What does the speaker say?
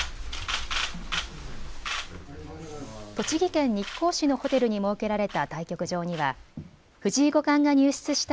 栃木県日光市のホテルに設けられた対局場には藤井五冠が入室した